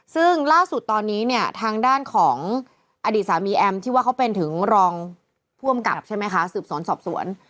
ซึ่งล่าสุดตอนนี้เนี่ยทางด้านของอดีตสามีแอมที่ว่าเขาเป็นถึงรองผู้อำกับใช่ไหมคะสืบสวนสอบสวน